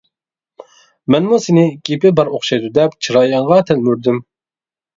مەنمۇ سېنى گېپى بار ئوخشايدۇ دەپ چىرايىڭغا تەلمۈردۈم.